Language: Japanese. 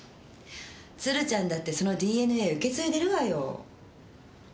鶴ちゃんだってそのＤＮＡ受け継いでるわよ。